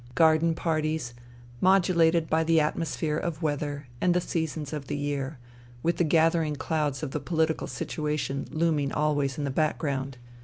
134 FUTILITY garden parties, modulated by the atmosphere of weather and the seasons of the year, with the gather ing clouds of the political situation looming always in the background.